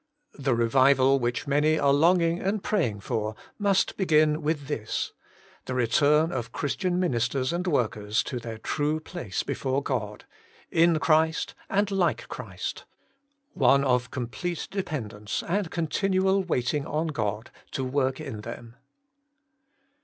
The revival which many are longing and praying for must begin with this : the return of Christian ministers and workers to their true place before God — in Christ and like Christ, one of complete de pendence and continual w^aiting on God to w^ork in them.